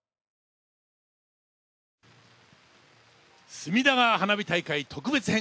隅田川花火大会特別編。